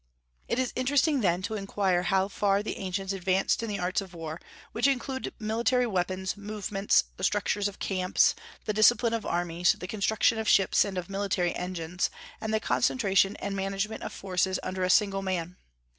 It is interesting then to inquire how far the ancients advanced in the arts of war, which include military weapons, movements, the structure of camps, the discipline of armies, the construction of ships and of military engines, and the concentration and management of forces under a single man.